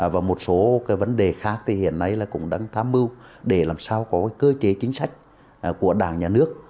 và một số vấn đề khác thì hiện nay cũng đang tham mưu để làm sao có cơ chế chính sách của đảng nhà nước